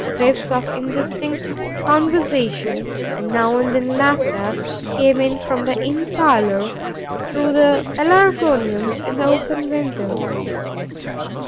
Whiffs of indistinct conversation, and now and then laughter, came in from the inn parlor through the pelargoniums in the open window.